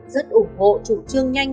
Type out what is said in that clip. rất ủng hộ chủ trương nhanh